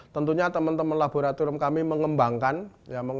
tentunya teman teman laboratorium kami mengembangkan